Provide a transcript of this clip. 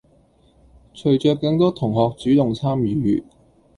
隨著更多同學主動參與